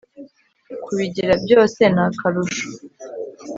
kubigira byose ni akarusho.